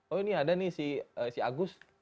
oh ini ada nih si agus